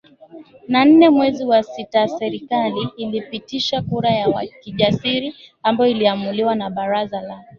na nne mwezi wa sitaserikali ilipitisha kura ya kijasiri ambayo iliamuliwa na baraza la